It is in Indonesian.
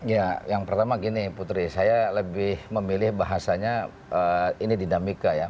ya yang pertama gini putri saya lebih memilih bahasanya ini dinamika ya